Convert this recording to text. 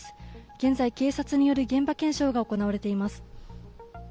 現在、警察による現場検証が行われています。